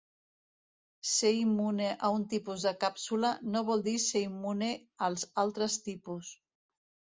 Ser immune a un tipus de càpsula no vol dir ser immune als altres tipus.